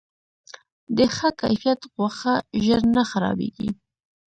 د ښه کیفیت غوښه ژر نه خرابیږي.